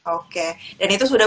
oke dan itu sudah